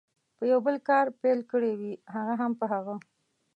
په یو بل کار پیل کړي وي، هغه هم په هغه.